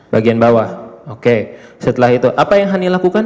bagian bawah oke setelah itu apa yang hani lakukan